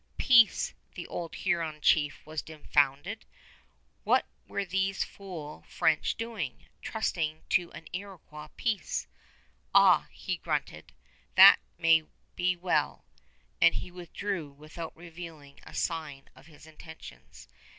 "Peace!" The old Huron chief was dumbfounded. What were these fool French doing, trusting to an Iroquois peace? "Ah," he grunted, "that may be well"; and he withdrew without revealing a sign of his intentions.